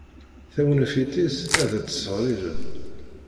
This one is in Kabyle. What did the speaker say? Tawnafit-is ad t-tessegrireb.